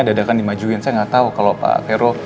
ada ada yang akan dimajuin saya nggak tahu kalau pak vero